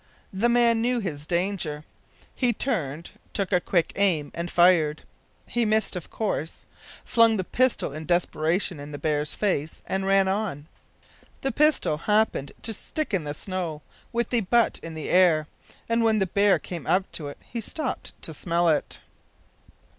The man knew his danger; he turned, took a quick aim, and fired. He missed, of course; flung the pistol in desperation in the bear's face, and ran on. The pistol happened to stick in the snow, with the butt in the air, and when the bear came up to it he stopped to smell it!